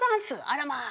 あらまあ。